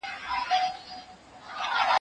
له کوم ځای له کوم کتابه یې راوړی